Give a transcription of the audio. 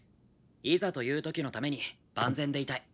いざという時のために万全でいたい。